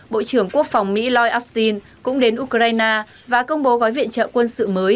bộ trưởng quốc phòng mỹ lloyd austin cũng đến ukraine và công bố gói viện trợ quân sự mới